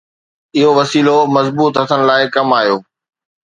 اهو وسيلو مضبوط هٿن لاءِ ڪم آيو.